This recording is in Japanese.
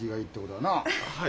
はい。